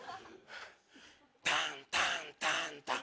タンタンタンタン。